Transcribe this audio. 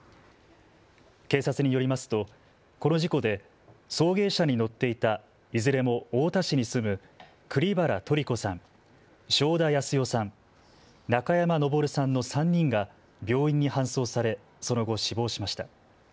警察によりますとこの事故で送迎車に乗っていたいずれも太田市に住む栗原トリ子さん、正田靖代さん、中山昇さんの３人が病院に搬送され、その後、死亡しました。